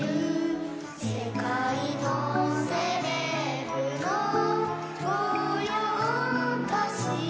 「世界のセレブの御用達」